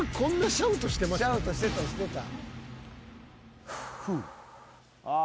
シャウトしてたしてた。